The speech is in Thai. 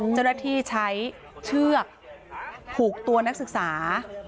เจ้าหน้าที่ใช้เชือกผูกตัวนักศึกษา